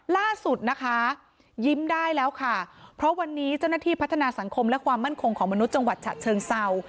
ล่าสุดนะคะยิ้มได้แล้วค่ะเพราะวันนี้เจ้าหน้าที่พัฒนาสังคมและความมั่นคงของมนุษย์จังหวัดฉะเชิงเศร้า